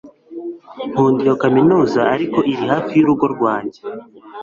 Nkunda iyo kaminuza ariko iri hafi yurugo rwanjye